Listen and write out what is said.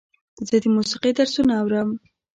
زه د موسیقۍ درسونه اورم.